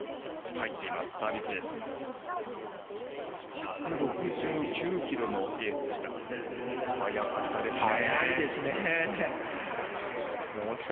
１６９キロのエースでした。